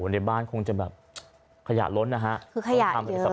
ในบ้านคงจะแบบขยะล้นนะครับ